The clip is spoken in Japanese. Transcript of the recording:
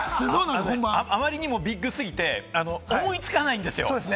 あまりにもビッグすぎて、思いつかないんですよ。